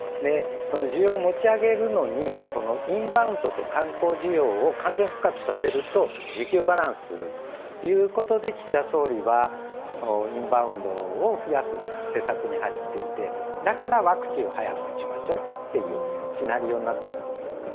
その需要を持ち上げるのにインバウンドと観光事業を完全復活させると需給バランスということで岸田総理は、インバウンドを増やす政策に走っていて、だから、ワクチンを早く打ちましょうというシナリオになってると思うんです。